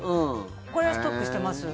これはストックしてます。